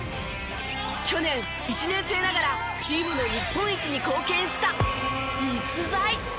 去年１年生ながらチームの日本一に貢献した逸材。